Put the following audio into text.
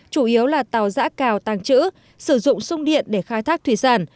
chủ yếu là tàu dã cào tàng trữ sử dụng sung điện để khai thác thủy sản